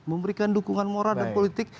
memberikan dukungan moral dan politik